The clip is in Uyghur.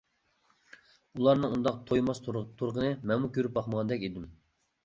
ئۇلارنىڭ ئۇنداق تويماس تۇرىقىنى مەنمۇ كۆرۈپ باقمىغاندەك ئىدىم.